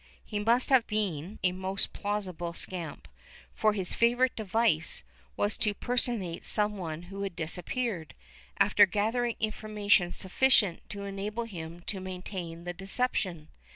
He must have been a most plausible scamp, for his favorite device was to personate some one who had disappeared, after gathering information sufficient to enable him to maintain the deception.